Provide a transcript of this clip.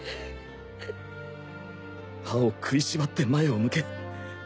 歯を食いしばって前を向け。